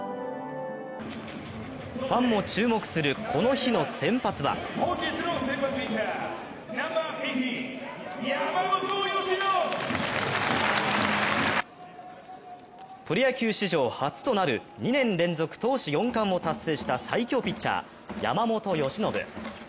ファンも注目するこの日の先発はプロ野球史上初となる２年連続投手４冠を達成した最強ピッチャー・山本由伸。